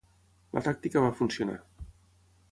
La tàctica va funcionar.